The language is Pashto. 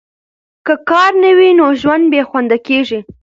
که کار نه وي، نو ژوند بې خونده کیږي.